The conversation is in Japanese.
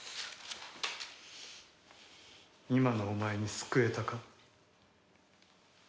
今のお前に救えたか？